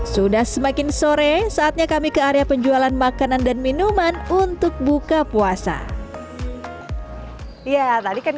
sudah semakin sore saatnya kami ke area penjualan makanan dan minuman untuk buka puasa ya tadi kan